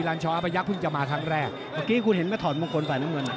เมื่อกี้คุณเห็นเมื่อถอดมงคลฝ่ายน้ำมือหน่ะ